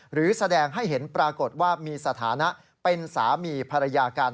หรือแสดงให้เห็นปรากฏว่ามีสถานะเป็นสามีภรรยากัน